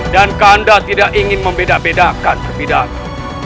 dan kanda tidak ingin membedakan terpidana